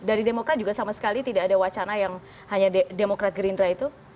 dari demokrat juga sama sekali tidak ada wacana yang hanya demokrat gerindra itu